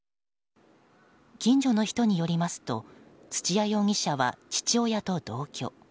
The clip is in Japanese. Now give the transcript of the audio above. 近所の人によりますと土屋容疑者は、父親と同居。